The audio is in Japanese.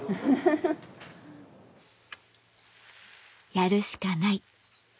「やるしかない」。